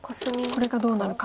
これがどうなるか。